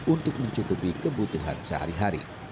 untuk mencukupi kebutuhan sehari hari